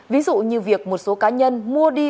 ví dụ như việc một số cá nhân mua đi